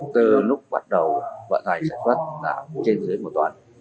từ lúc bắt đầu vận hành sản xuất là trên dưới một đoạn